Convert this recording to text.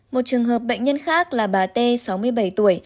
một trường hợp bệnh nhân khác là bà t sáu mươi bảy tuổi